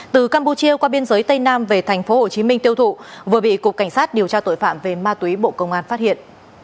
từ campuchia qua biên giới tây nam về tp hcm tiêu thụ vừa bị cục cảnh sát điều tra tội phạm về ma túy bộ công an phát hiện